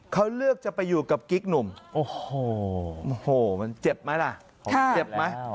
เขาเลือกจะไปอยู่กับกิ๊กหนุ่มโอ้โหมันเจ็บไหมล่ะเจ็บไหม